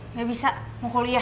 nggak bisa mau kuliah